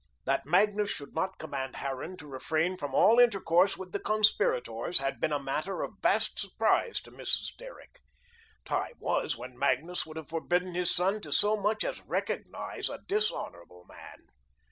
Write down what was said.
That Magnus should not command Harran to refrain from all intercourse with the conspirators, had been a matter of vast surprise to Mrs. Derrick. Time was when Magnus would have forbidden his son to so much as recognise a dishonourable man.